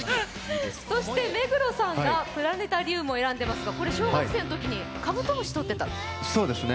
そして目黒さんが「プラネタリウム」を選んでいますが、小学生のときにカブトムシをとってた？